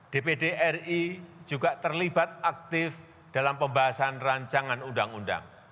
dpdri juga terlibat aktif dalam pembahasan rancangan undang undang